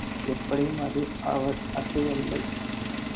எப்படியும் அது அசையவில்லை.